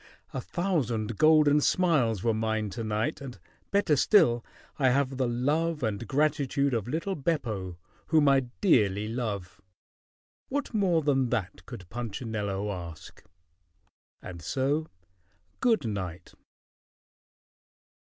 A thousand golden smiles were mine to night, and better still I have the love and gratitude of little Beppo whom I dearly love. What more than that could Punchinello ask? And so good night!"